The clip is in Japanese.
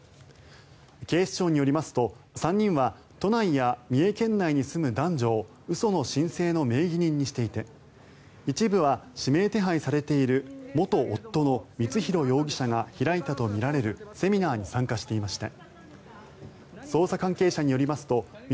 警視庁によりますと、３人は都内や三重県内に住む男女を嘘の申請の名義人にしていて一部は指名手配されている元夫の光弘容疑者が開いたとみられるセミナーに参加していました。